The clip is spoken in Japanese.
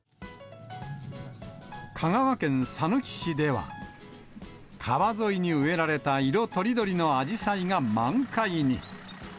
香川県さぬき市では、川沿いに植えられた色とりどりのあじさいが満開に。